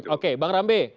oke bang rambe